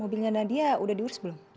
mobilnya nadia udah diurus belum